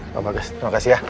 pak magas terima kasih ya